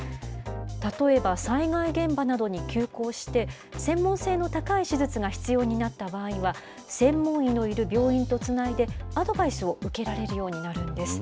例えば災害現場などに急行して、専門性の高い手術が必要になった場合は、専門医のいる病院とつないで、アドバイスを受けられるようになるんです。